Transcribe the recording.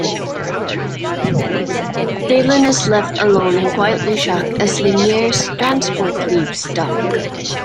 Delenn is left alone and quietly shocked as Lennier's transport leaves dock.